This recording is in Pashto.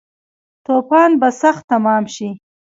توپان به سخت تمام شی